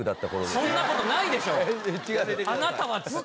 そんな事ないでしょ！